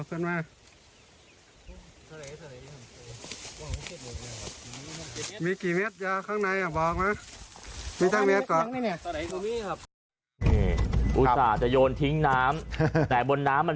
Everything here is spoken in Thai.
เออเอาขึ้นมา